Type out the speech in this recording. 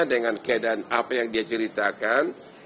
dengan keadaan apa yang dia ceritakan